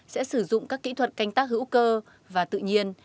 sẽ sử dụng các kỹ thuật canh tác hữu cơ và tự nhiên